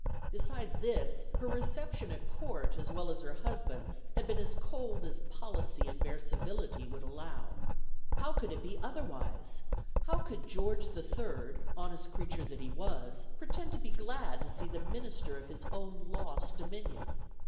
Besides this, her reception at Court, as well as her husband's, had been as cold as policy and bare civility would allow. How could it be otherwise? How could George III, honest creature that he was, pretend to be glad to see the Minister of his own lost dominion?